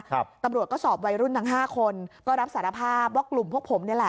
ครับตับรวจก็สอบวัยรุ่นทั้ง๕คนก็รับสารภาพว่ากลุ่มพวกผม